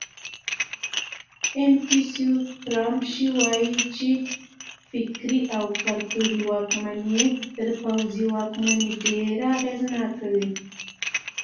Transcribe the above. انتونیو ګرامشي وایي چې فکري او کلتوري واکمني تر پوځي واکمنۍ ډېره اغېزناکه وي.